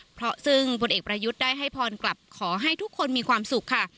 เพราะซึ่งผลเอกประยุทธ์ได้ให้พรกลับขอให้ทุกคนมีความสุขค่ะ